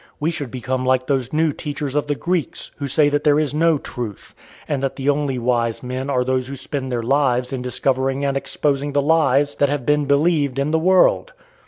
We should become like those new teachers of the Greeks, who say that there is no truth, and that the only wise men are those who spend their lives in discovering and exposing the lies that have been believed in the world.